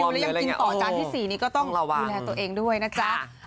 แล้วยังกินต่อจานที่๔นี้ก็ต้องดูแลตัวเองด้วยนะจ๊ะ